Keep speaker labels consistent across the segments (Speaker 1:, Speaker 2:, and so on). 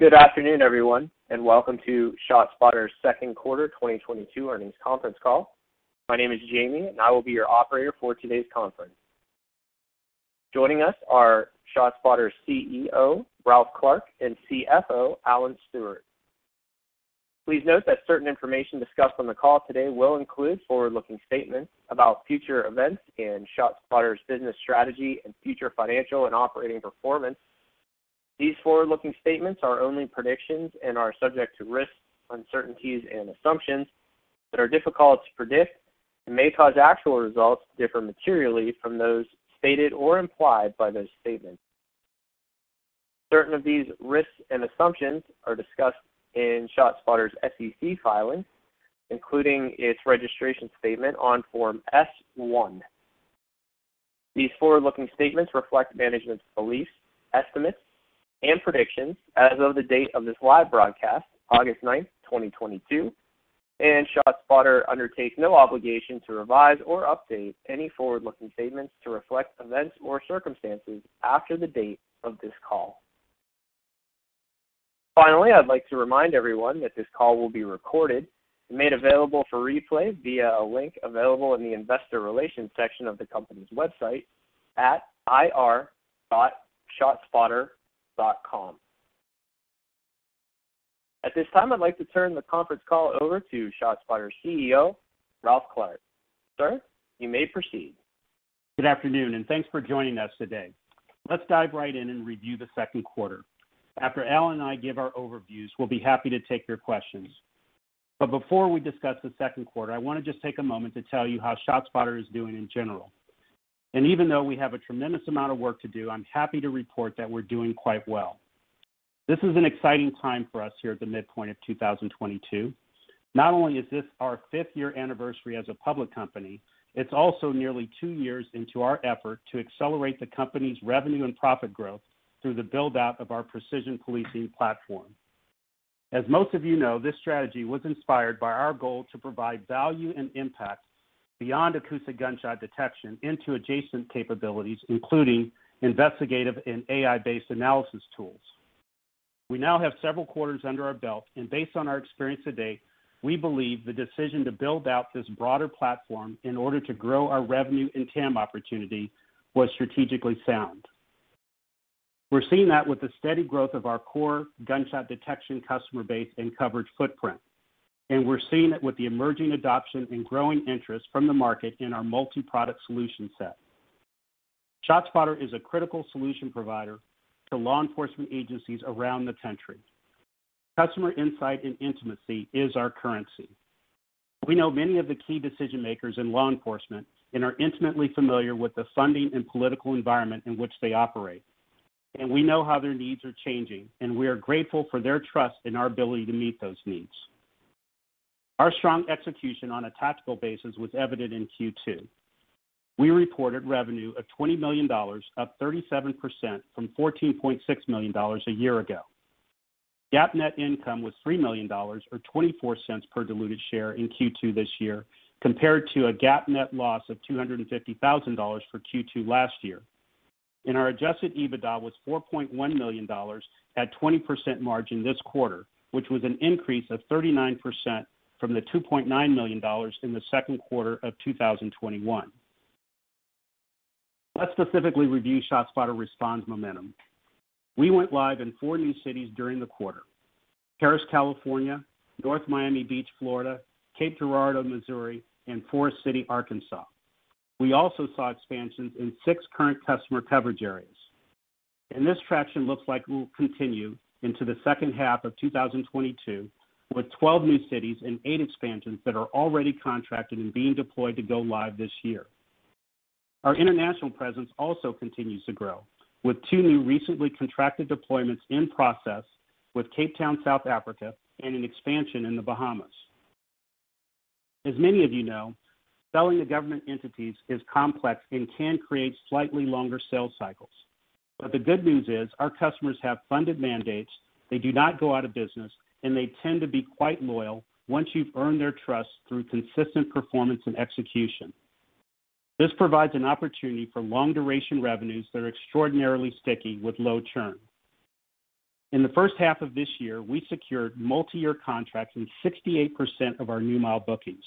Speaker 1: Good afternoon, everyone, and welcome to ShotSpotter's second quarter 2022 earnings conference call. My name is Jamie, and I will be your operator for today's conference. Joining us are ShotSpotter's CEO, Ralph Clark, and CFO, Alan Stewart. Please note that certain information discussed on the call today will include forward-looking statements about future events and ShotSpotter's business strategy and future financial and operating performance. These forward-looking statements are only predictions and are subject to risks, uncertainties, and assumptions that are difficult to predict and may cause actual results to differ materially from those stated or implied by those statements. Certain of these risks and assumptions are discussed in ShotSpotter's SEC filings, including its registration statement on Form S-1. These forward-looking statements reflect management's beliefs, estimates, and predictions as of the date of this live broadcast, August 9, 2022, and ShotSpotter undertakes no obligation to revise or update any forward-looking statements to reflect events or circumstances after the date of this call. Finally, I'd like to remind everyone that this call will be recorded and made available for replay via a link available in the investor relations section of the company's website at ir.shotspotter.com. At this time, I'd like to turn the conference call over to ShotSpotter's CEO, Ralph Clark. Sir, you may proceed.
Speaker 2: Good afternoon, and thanks for joining us today. Let's dive right in and review the second quarter. After Alan and I give our overviews, we'll be happy to take your questions. Before we discuss the second quarter, I want to just take a moment to tell you how ShotSpotter is doing in general. Even though we have a tremendous amount of work to do, I'm happy to report that we're doing quite well. This is an exciting time for us here at the midpoint of 2022. Not only is this our fifth year anniversary as a public company, it's also nearly two years into our effort to accelerate the company's revenue and profit growth through the build-out of our precision policing platform. As most of you know, this strategy was inspired by our goal to provide value and impact beyond acoustic gunshot detection into adjacent capabilities, including investigative and AI-based analysis tools. We now have several quarters under our belt, and based on our experience to date, we believe the decision to build out this broader platform in order to grow our revenue and TAM opportunity was strategically sound. We're seeing that with the steady growth of our core gunshot detection customer base and coverage footprint, and we're seeing it with the emerging adoption and growing interest from the market in our multi-product solution set. ShotSpotter is a critical solution provider to law enforcement agencies around the country. Customer insight and intimacy is our currency. We know many of the key decision-makers in law enforcement and are intimately familiar with the funding and political environment in which they operate, and we know how their needs are changing, and we are grateful for their trust in our ability to meet those needs. Our strong execution on a tactical basis was evident in Q2. We reported revenue of $20 million, up 37% from $14.6 million a year ago. GAAP net income was $3 million, or $0.24 per diluted share in Q2 this year, compared to a GAAP net loss of $250 thousand for Q2 last year. Our adjusted EBITDA was $4.1 million at 20% margin this quarter, which was an increase of 39% from the $2.9 million in the second quarter of 2021. Let's specifically review ShotSpotter Respond's momentum. We went live in four new cities during the quarter: Perris, California, North Miami Beach, Florida, Cape Girardeau, Missouri, and Forest City, Arkansas. We also saw expansions in six current customer coverage areas. This traction looks like it will continue into the second half of 2022, with 12 new cities and 8 expansions that are already contracted and being deployed to go live this year. Our international presence also continues to grow, with two new recently contracted deployments in process with Cape Town, South Africa, and an expansion in the Bahamas. As many of you know, selling to government entities is complex and can create slightly longer sales cycles. The good news is our customers have funded mandates, they do not go out of business, and they tend to be quite loyal once you've earned their trust through consistent performance and execution. This provides an opportunity for long-duration revenues that are extraordinarily sticky with low churn. In the first half of this year, we secured multi-year contracts in 68% of our new mile bookings,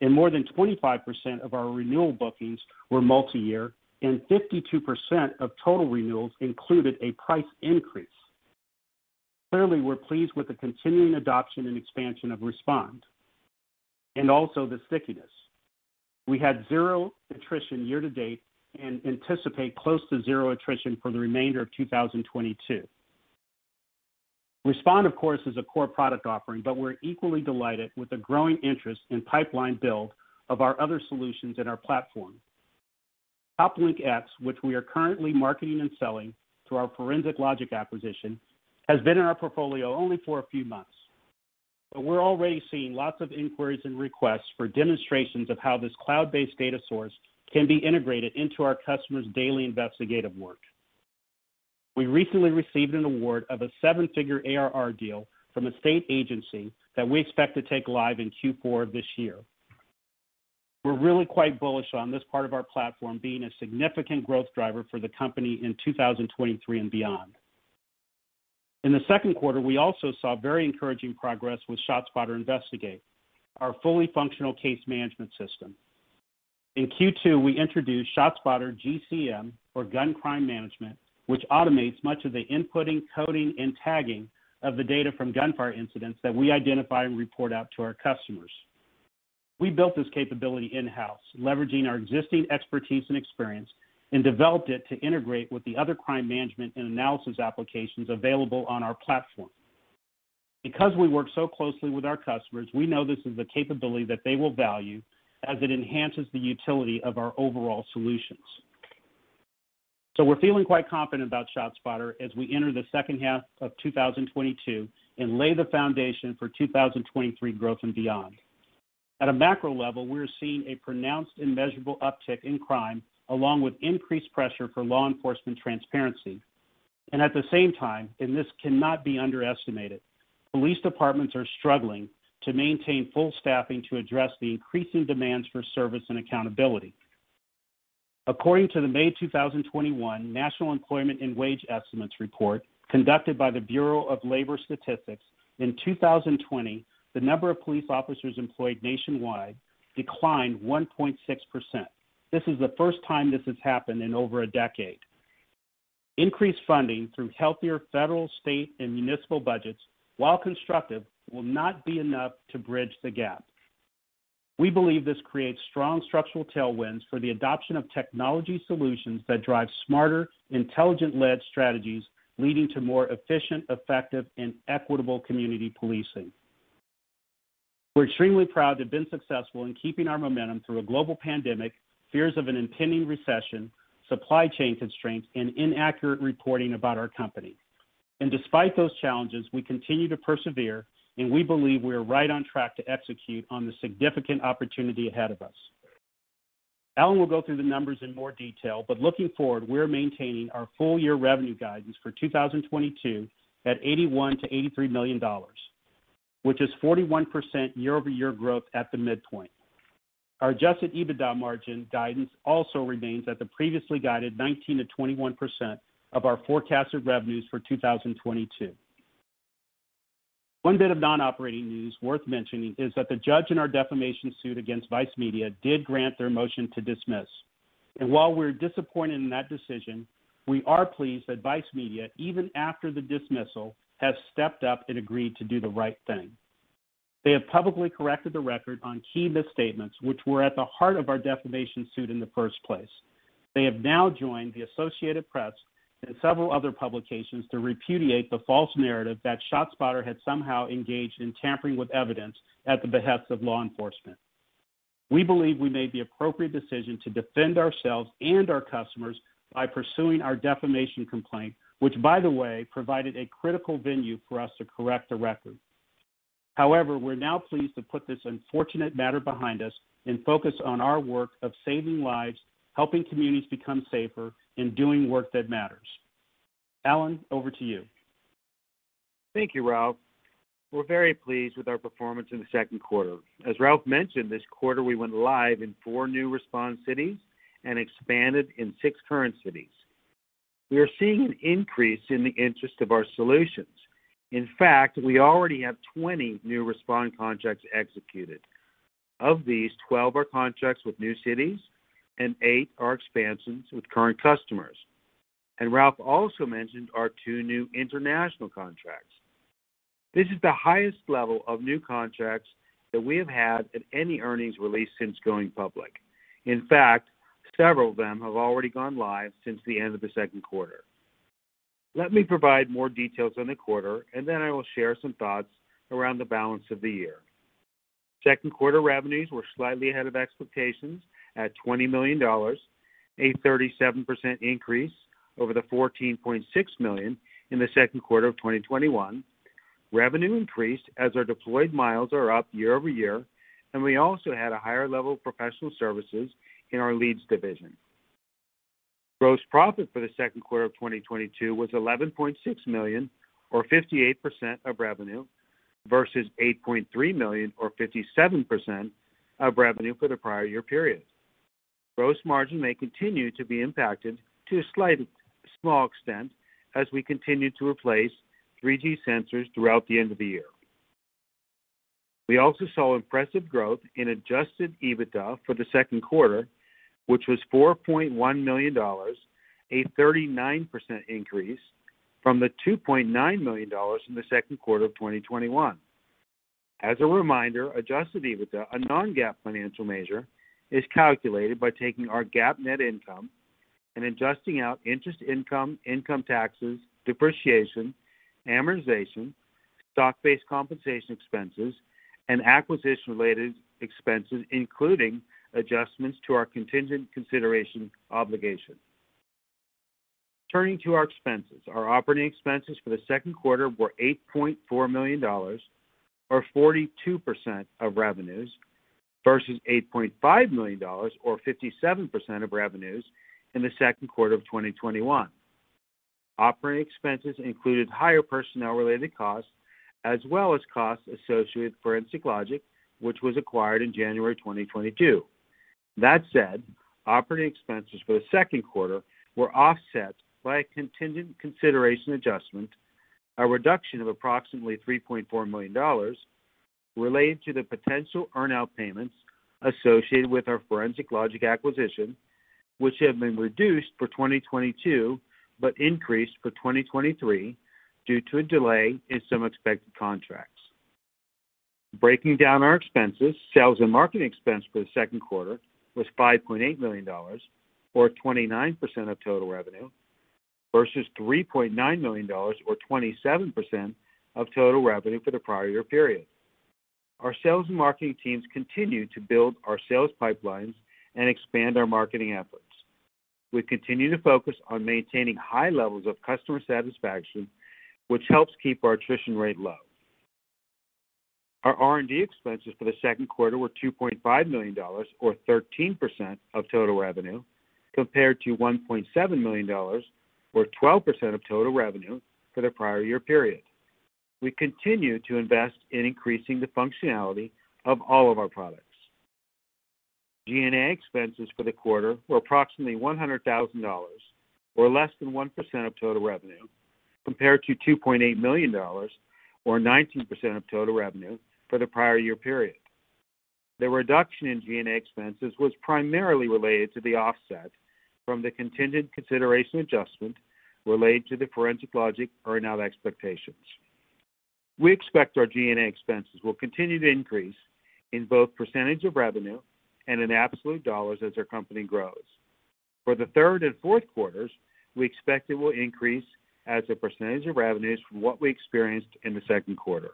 Speaker 2: and more than 25% of our renewal bookings were multi-year, and 52% of total renewals included a price increase. Clearly, we're pleased with the continuing adoption and expansion of Respond and also the stickiness. We had zero attrition year-to-date and anticipate close to zero attrition for the remainder of 2022. Respond, of course, is a core product offering, but we're equally delighted with the growing interest in pipeline build of our other solutions in our platform. COPLINK X, which we are currently marketing and selling through our Forensic Logic acquisition, has been in our portfolio only for a few months, but we're already seeing lots of inquiries and requests for demonstrations of how this cloud-based data source can be integrated into our customers' daily investigative work. We recently received an award of a seven-figure ARR deal from a state agency that we expect to take live in Q4 of this year. We're really quite bullish on this part of our platform being a significant growth driver for the company in 2023 and beyond. In the second quarter, we also saw very encouraging progress with ShotSpotter Investigate, our fully functional case management system. In Q2, we introduced ShotSpotter GCM, or Gun Crime Management, which automates much of the inputting, coding, and tagging of the data from gunfire incidents that we identify and report out to our customers. We built this capability in-house, leveraging our existing expertise and experience, and developed it to integrate with the other crime management and analysis applications available on our platform. Because we work so closely with our customers, we know this is the capability that they will value as it enhances the utility of our overall solutions. We're feeling quite confident about ShotSpotter as we enter the second half of 2022 and lay the foundation for 2023 growth and beyond. At a macro level, we're seeing a pronounced and measurable uptick in crime, along with increased pressure for law enforcement transparency. At the same time, and this cannot be underestimated, police departments are struggling to maintain full staffing to address the increasing demands for service and accountability. According to the May 2021 Occupational Employment and Wage Statistics report conducted by the Bureau of Labor Statistics, in 2020, the number of police officers employed nationwide declined 1.6%. This is the first time this has happened in over a decade. Increased funding through healthier federal, state, and municipal budgets, while constructive, will not be enough to bridge the gap. We believe this creates strong structural tailwinds for the adoption of technology solutions that drive smarter, intelligent-led strategies, leading to more efficient, effective, and equitable community policing. We're extremely proud to have been successful in keeping our momentum through a global pandemic, fears of an impending recession, supply chain constraints, and inaccurate reporting about our company. Despite those challenges, we continue to persevere, and we believe we are right on track to execute on the significant opportunity ahead of us. Alan will go through the numbers in more detail, but looking forward, we're maintaining our full year revenue guidance for 2022 at $81 million-$83 million, which is 41% year-over-year growth at the midpoint. Our adjusted EBITDA margin guidance also remains at the previously guided 19%-21% of our forecasted revenues for 2022. One bit of non-operating news worth mentioning is that the judge in our defamation suit against Vice Media did grant their motion to dismiss. While we're disappointed in that decision, we are pleased that Vice Media, even after the dismissal, has stepped up and agreed to do the right thing. They have publicly corrected the record on key misstatements, which were at the heart of our defamation suit in the first place. They have now joined the Associated Press and several other publications to repudiate the false narrative that ShotSpotter had somehow engaged in tampering with evidence at the behest of law enforcement. We believe we made the appropriate decision to defend ourselves and our customers by pursuing our defamation complaint, which, by the way, provided a critical venue for us to correct the record. However, we're now pleased to put this unfortunate matter behind us and focus on our work of saving lives, helping communities become safer, and doing work that matters. Alan, over to you.
Speaker 3: Thank you, Ralph. We're very pleased with our performance in the second quarter. As Ralph mentioned, this quarter we went live in four new Respond cities and expanded in six current cities. We are seeing an increase in the interest of our solutions. In fact, we already have 20 new Respond contracts executed. Of these, 12 are contracts with new cities, and eight are expansions with current customers. Ralph also mentioned our two new international contracts. This is the highest level of new contracts that we have had at any earnings release since going public. In fact, several of them have already gone live since the end of the second quarter. Let me provide more details on the quarter, and then I will share some thoughts around the balance of the year. Second quarter revenues were slightly ahead of expectations at $20 million, a 37% increase over the $14.6 million in the second quarter of 2021. Revenue increased as our deployed miles are up year-over-year, and we also had a higher level of professional services in our LEEDS division. Gross profit for the second quarter of 2022 was $11.6 million or 58% of revenue versus $8.3 million or 57% of revenue for the prior year period. Gross margin may continue to be impacted to a slight small extent as we continue to replace 3G sensors throughout the end of the year. We also saw impressive growth in adjusted EBITDA for the second quarter, which was $4.1 million, a 39% increase from the $2.9 million in the second quarter of 2021. As a reminder, adjusted EBITDA, a non-GAAP financial measure, is calculated by taking our GAAP net income and adjusting out interest income taxes, depreciation, amortization, stock-based compensation expenses, and acquisition-related expenses, including adjustments to our contingent consideration obligation. Turning to our expenses. Our operating expenses for the second quarter were $8.4 million or 42% of revenues versus $8.5 million or 57% of revenues in the second quarter of 2021. Operating expenses includemd higher personnel related costs as well as costs associated with Forensic Logic, which was acquired in January 2022. That said, operating expenses for the second quarter were offset by a contingent consideration adjustment, a reduction of approximately $3.4 million related to the potential earn-out payments associated with our Forensic Logic acquisition, which have been reduced for 2022 but increased for 2023 due to a delay in some expected contracts. Breaking down our expenses, sales and marketing expense for the second quarter was $5.8 million, or 29% of total revenue, versus $3.9 million or 27% of total revenue for the prior year period. Our sales and marketing teams continue to build our sales pipelines and expand our marketing efforts. We continue to focus on maintaining high levels of customer satisfaction, which helps keep our attrition rate low. Our R&D expenses for the second quarter were $2.5 million, or 13% of total revenue, compared to $1.7 million, or 12% of total revenue for the prior year period. We continue to invest in increasing the functionality of all of our products. G&A expenses for the quarter were approximately $100,000, or less than 1% of total revenue, compared to $2.8 million, or 19% of total revenue for the prior year period. The reduction in G&A expenses was primarily related to the offset from the contingent consideration adjustment related to the Forensic Logic earn-out expectations. We expect our G&A expenses will continue to increase in both percentage of revenue and in absolute dollars as our company grows. For the third and fourth quarters, we expect it will increase as a percentage of revenues from what we experienced in the second quarter.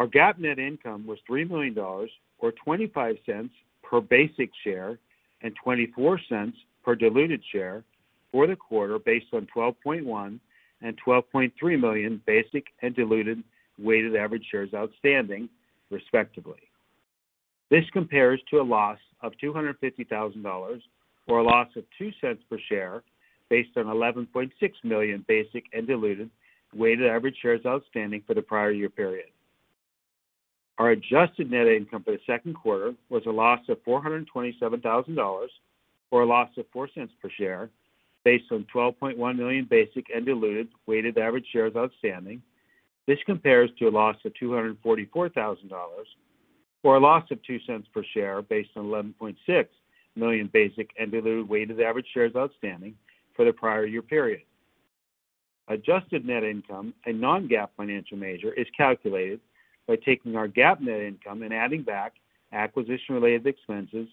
Speaker 3: Our GAAP net income was $3 million, or $0.25 per basic share, and $0.24 per diluted share for the quarter based on 12.1 million and 12.3 million basic and diluted weighted average shares outstanding, respectively. This compares to a loss of $250,000 or a loss of $0.02 per share based on 11.6 million basic and diluted weighted average shares outstanding for the prior year period. Our adjusted net income for the second quarter was a loss of $427,000 or a loss of $0.04 per share based on 12.1 million basic and diluted weighted average shares outstanding. This compares to a loss of $244,000 or a loss of $0.02 per share based on 11.6 million basic and diluted weighted average shares outstanding for the prior year period. Adjusted net income, a non-GAAP financial measure, is calculated by taking our GAAP net income and adding back acquisition related expenses,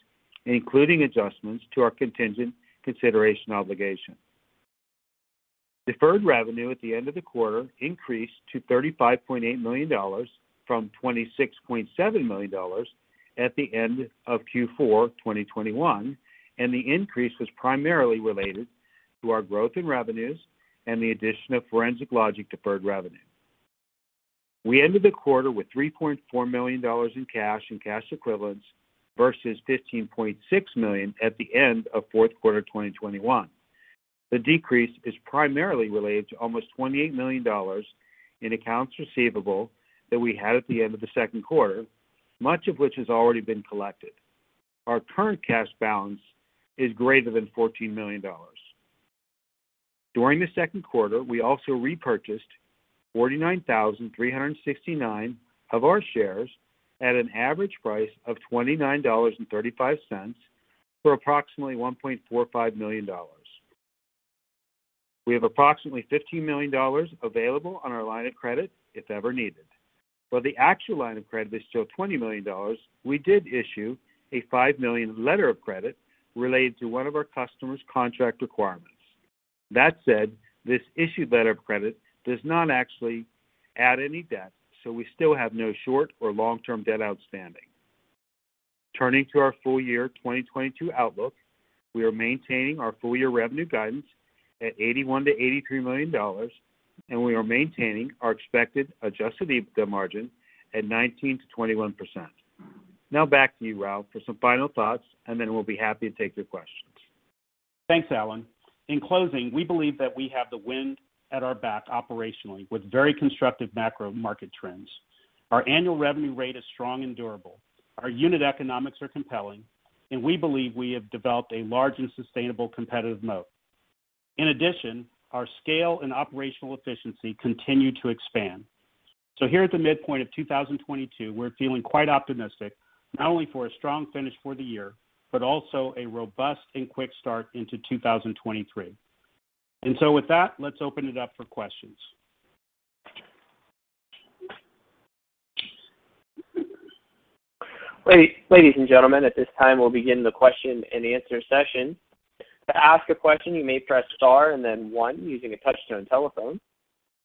Speaker 3: including adjustments to our contingent consideration obligation. Deferred revenue at the end of the quarter increased to $35.8 million from $26.7 million at the end of Q4 2021, and the increase was primarily related to our growth in revenues and the addition of Forensic Logic deferred revenue. We ended the quarter with $3.4 million in cash and cash equivalents versus $15.6 million at the end of fourth quarter 2021. The decrease is primarily related to almost $28 million in accounts receivable that we had at the end of the second quarter, much of which has already been collected. Our current cash balance is greater than $14 million. During the second quarter, we also repurchased 49,369 of our shares at an average price of $29.35 for approximately $1.45 million. We have approximately $15 million available on our line of credit if ever needed. While the actual line of credit is still $20 million, we did issue a $5 million letter of credit related to one of our customers contract requirements. That said, this issued letter of credit does not actually add any debt, so we still have no short or long term debt outstanding. Turning to our full year 2022 outlook, we are maintaining our full year revenue guidance at $81 million-$83 million, and we are maintaining our expected adjusted EBITDA margin at 19%-21%. Now back to you, Ralph, for some final thoughts, and then we'll be happy to take your questions.
Speaker 2: Thanks, Alan. In closing, we believe that we have the wind at our back operationally with very constructive macro market trends. Our annual revenue rate is strong and durable. Our unit economics are compelling, and we believe we have developed a large and sustainable competitive moat. In addition, our scale and operational efficiency continue to expand. Here at the midpoint of 2022, we're feeling quite optimistic, not only for a strong finish for the year, but also a robust and quick start into 2023. With that, let's open it up for questions.
Speaker 1: Ladies and gentlemen, at this time, we'll begin the question and answer session. To ask a question, you may press star and then one using a touch-tone telephone.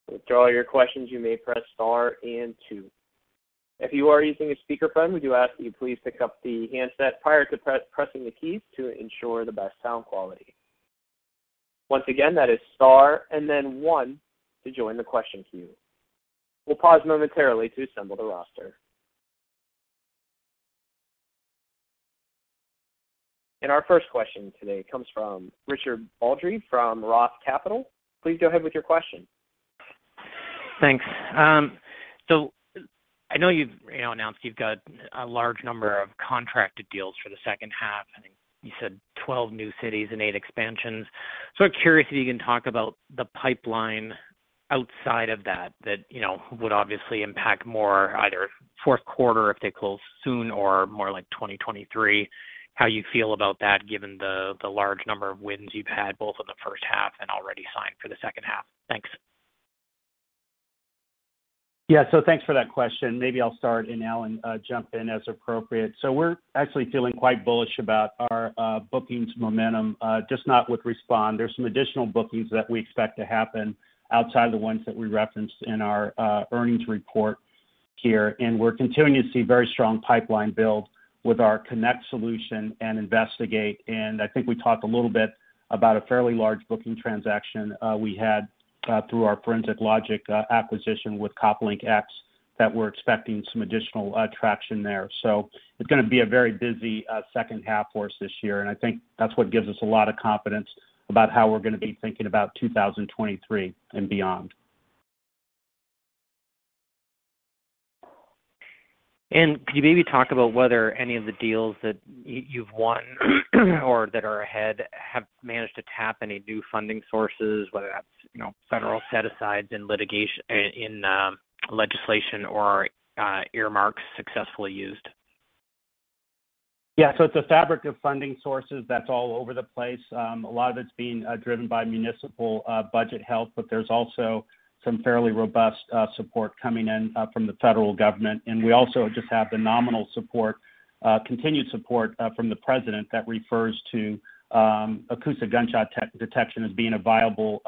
Speaker 1: To withdraw your questions, you may press star and two. If you are using a speakerphone, we do ask that you please pick up the handset prior to pressing the keys to ensure the best sound quality. Once again, that is star and then one to join the question queue. We'll pause momentarily to assemble the roster. Our first question today comes from Richard Baldry from Roth Capital Partners. Please go ahead with your question.
Speaker 4: Thanks. I know you've, you know, announced you've got a large number of contracted deals for the second half. I think you said 12 new cities and eight expansions. I'm curious if you can talk about the pipeline outside of that you know, would obviously impact more either fourth quarter if they close soon or more like 2023, how you feel about that given the large number of wins you've had both in the first half and already signed for the second half. Thanks.
Speaker 2: Yeah. Thanks for that question. Maybe I'll start and Alan, jump in as appropriate. We're actually feeling quite bullish about our bookings momentum, just not with Respond. There's some additional bookings that we expect to happen outside the ones that we referenced in our earnings report here. We're continuing to see very strong pipeline build with our Connect solution and Investigate. I think we talked a little bit about a fairly large booking transaction we had through our Forensic Logic acquisition with COPLINK X that we're expecting some additional traction there. It's gonna be a very busy second half for us this year, and I think that's what gives us a lot of confidence about how we're gonna be thinking about 2023 and beyond.
Speaker 4: Could you maybe talk about whether any of the deals that you've won or that are ahead have managed to tap any new funding sources, whether that's, you know, federal set-asides in legislation or earmarks successfully used?
Speaker 2: Yeah. It's a fabric of funding sources that's all over the place. A lot of it's being driven by municipal budget health, but there's also some fairly robust support coming in from the federal government. We also just have continued support from the president that refers to acoustic gunshot detection technology as being a viable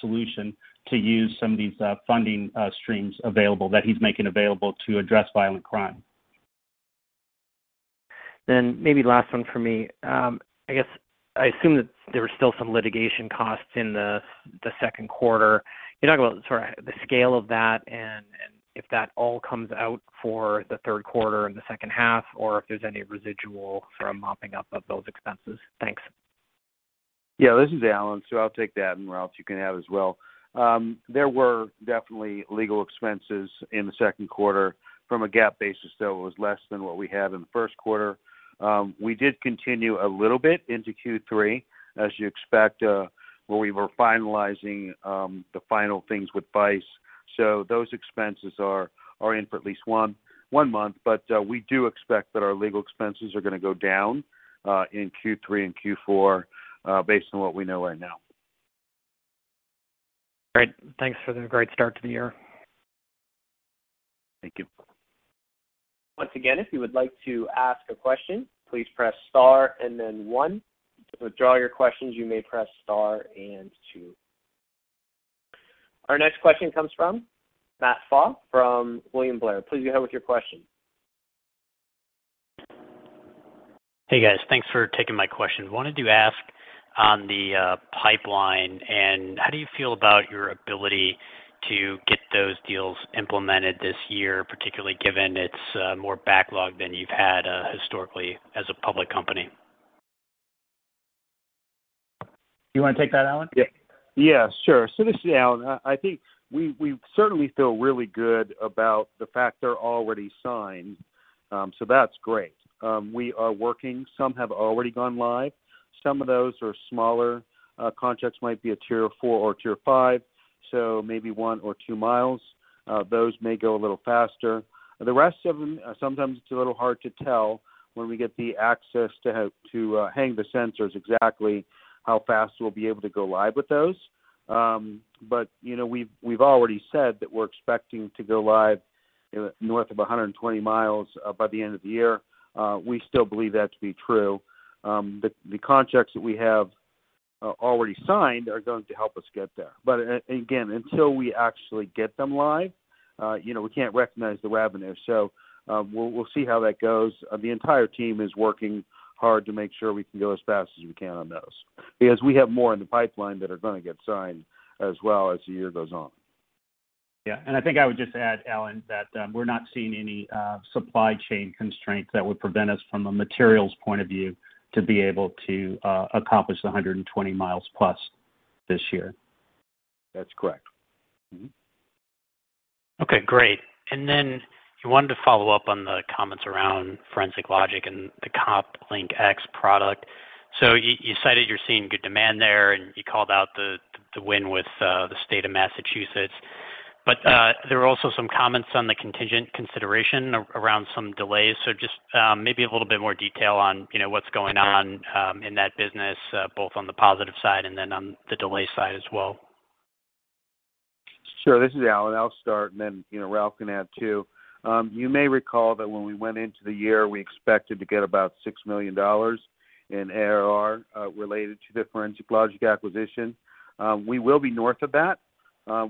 Speaker 2: solution to use some of these funding streams available, that he's making available to address violent crime.
Speaker 4: Maybe last one for me. I guess I assume that there was still some litigation costs in the second quarter. Can you talk about sort of the scale of that and if that all comes out for the third quarter and the second half, or if there's any residual sort of mopping up of those expenses? Thanks.
Speaker 3: Yeah. This is Alan, so I'll take that and Ralph you can add as well. There were definitely legal expenses in the second quarter from a GAAP basis, though it was less than what we had in the first quarter. We did continue a little bit into Q3, as you expect, where we were finalizing the final things with Vice. Those expenses are in for at least one month, but we do expect that our legal expenses are gonna go down in Q3 and Q4 based on what we know right now.
Speaker 4: Great. Thanks for the great start to the year.
Speaker 3: Thank you.
Speaker 1: Once again, if you would like to ask a question, please press star and then one. To withdraw your questions, you may press star and two. Our next question comes from Matt Pfau from William Blair. Please go ahead with your question.
Speaker 5: Hey, guys. Thanks for taking my question. Wanted to ask on the pipeline and how do you feel about your ability to get those deals implemented this year, particularly given it's more backlogged than you've had historically as a public company?
Speaker 2: You wanna take that, Alan?
Speaker 3: Yeah. Yeah. Sure. This is Alan. I think we certainly feel really good about the fact they're already signed, so that's great. We are working. Some have already gone live. Some of those are smaller contracts, might be a Tier 4 or Tier 5, so maybe 1 or 2 miles. Those may go a little faster. The rest of them, sometimes it's a little hard to tell when we get the access to to hang the sensors exactly how fast we'll be able to go live with those. But you know, we've already said that we're expecting to go live north of 120 miles by the end of the year. We still believe that to be true. But the contracts that we have already signed are going to help us get there. Again, until we actually get them live, you know, we can't recognize the revenue. We'll see how that goes. The entire team is working hard to make sure we can go as fast as we can on those because we have more in the pipeline that are gonna get signed as well as the year goes on.
Speaker 2: Yeah. I think I would just add, Alan, that we're not seeing any supply chain constraints that would prevent us from a materials point of view to be able to accomplish the 120+ miles this year.
Speaker 3: That's correct. Mm-hmm.
Speaker 5: Okay. Great. Then I wanted to follow up on the comments around Forensic Logic and the COPLINK X product. You cited you're seeing good demand there, and you called out the win with the state of Massachusetts. There were also some comments on the contingent consideration around some delays. Just maybe a little bit more detail on, you know, what's going on in that business, both on the positive side and then on the delay side as well.
Speaker 3: Sure. This is Alan. I'll start, and then, you know, Ralph can add too. You may recall that when we went into the year, we expected to get about $6 million in ARR related to the Forensic Logic acquisition. We will be north of that.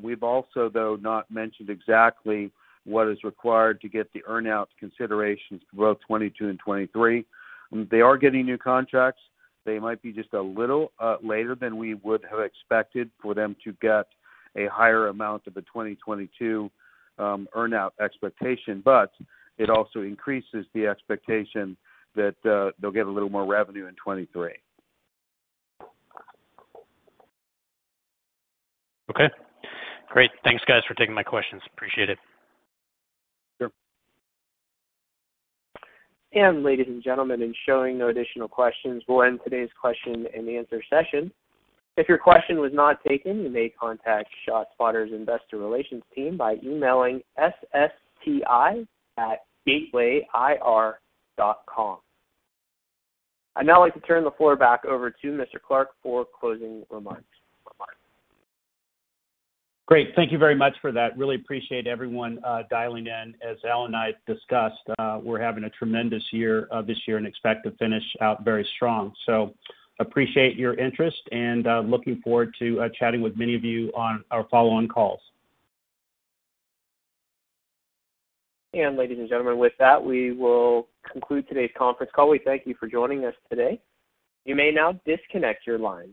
Speaker 3: We've also, though, not mentioned exactly what is required to get the earn-out considerations for both 2022 and 2023. They are getting new contracts. They might be just a little later than we would have expected for them to get a higher amount of the 2022 earn-out expectation, but it also increases the expectation that they'll get a little more revenue in 2023.
Speaker 5: Okay. Great. Thanks, guys, for taking my questions. Appreciate it.
Speaker 3: Sure.
Speaker 1: Ladies and gentlemen, seeing no additional questions, we'll end today's question-and-answer session. If your question was not taken, you may contact ShotSpotter's investor relations team by emailing ssti@gatewayir.com. I'd now like to turn the floor back over to Mr. Clark for closing remarks.
Speaker 2: Great. Thank you very much for that. Really appreciate everyone dialing in. As Alan and I discussed, we're having a tremendous year this year and expect to finish out very strong. Appreciate your interest and looking forward to chatting with many of you on our follow-on calls.
Speaker 1: Ladies and gentlemen, with that, we will conclude today's conference call. We thank you for joining us today. You may now disconnect your lines.